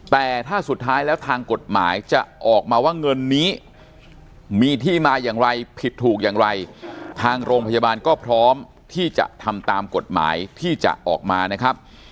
แต่ถ้าสุดท้ายแล้วทางกฎหมายจะออกมาว่าเงินนี้มีที่มาอย่างไรผิดถูกอย่างไรทางโรงพยาบาลก็พร้อมที่จะทำตามกฎหมายที่จะออกมานะครับ